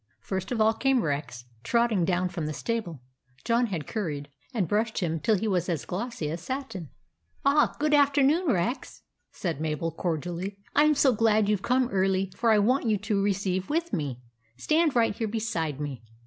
First of all came Rex, trotting down from the stable. John had curried THE ANIMAL PARTY 123 and brushed him till he was as glossy as satin. " Ah, good afternoon, Rex," said Mabel, cordially. " I 'm so glad you Ve come early, for I want you to receive with me. Stand right here beside me."